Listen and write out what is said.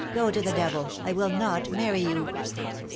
Go to the devil ! I will not marry you."